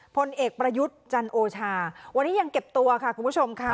พลเอกประยุทธ์จันโอชาวันนี้ยังเก็บตัวค่ะคุณผู้ชมค่ะ